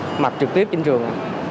và được gặp mặt trực tiếp trên trường